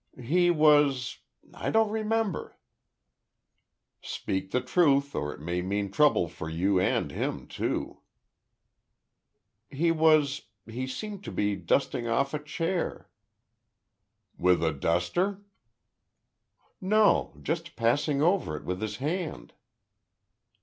"He was—I don't remember." "Speak the truth—or it may be mean trouble for you and him, too." "He was—he seemed to be dusting off a chair." "With a duster?" "No; just passing over it with his hand."